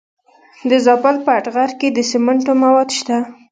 د زابل په اتغر کې د سمنټو مواد شته.